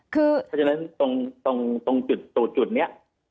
เพราะฉะนั้นตรงจุดนี้